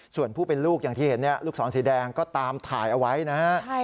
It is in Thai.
ส่วนผู้เป็นลูกอย่างที่เห็นลูกศรสีแดงก็ตามถ่ายเอาไว้นะฮะ